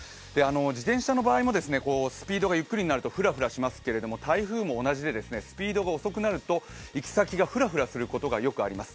自転車の場合もスピードがゆっくりになるとふらふらしますけど台風も同じで、スピードが遅くなると行き先がふらふらすることがよくあります。